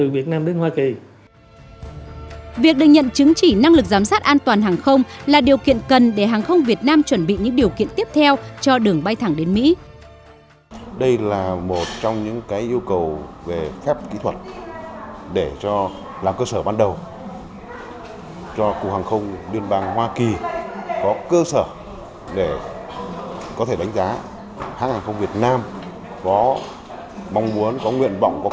việc được nhận chứng chỉ năng lực giám sát an toàn hàng không là điều kiện cần để hàng không việt nam chuẩn bị những điều kiện tiếp theo cho đường bay thẳng đến mỹ